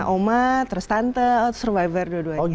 oma terus tantel survivor dua duanya